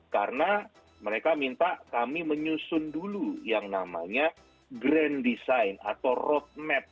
karena mereka minta kami menyusun dulu yang namanya grand design atau roadmap